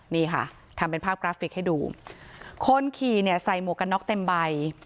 นี่ค่ะทำเป็นภาพกราฟิกให้ดูคนขี่เนี่ยใส่หมวกกันน็อกเต็มใบ